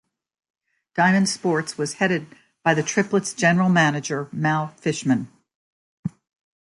Diamond Sports was headed by the Triplets' general manager Mal Fichman.